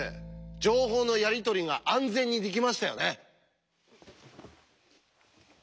情報のやり取りが安全にできましたよね。